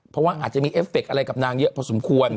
เพราะว่าอาจจะมีเอฟเคอะไรกับนางเยอะพอสมควร